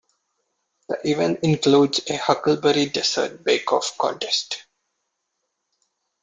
The event includes a huckleberry dessert bake-off contest.